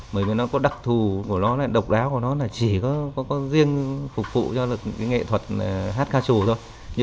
bởi vì nó có đặc thù của nó độc đáo của nó là chỉ có riêng phục vụ cho nghệ thuật hát ca trù thôi